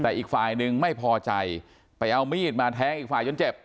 แต่อีกฝ่ายหนึ่งไม่พอใจไปเอามีดมาแทงอีกฝ่ายจนเจ็บ